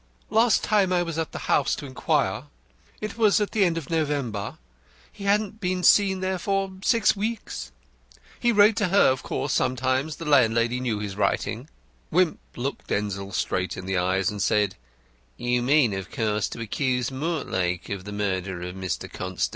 Last time I was at the house to inquire it was at the end of November he hadn't been seen there for six weeks. He wrote to her, of course, sometimes the landlady knew his writing." Wimp looked Denzil straight in the eyes, and said, "You mean, of course, to accuse Mortlake of the murder of Mr. Constant?"